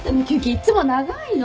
いつも長いの！